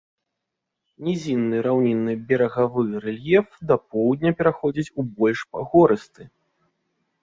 Нізінны раўнінны берагавы рэльеф да поўдня пераходзіць у больш пагорысты.